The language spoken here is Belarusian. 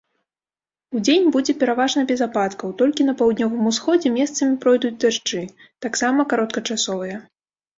Удзень будзе пераважна без ападкаў, толькі на паўднёвым усходзе месцамі пройдуць дажджы, таксама кароткачасовыя.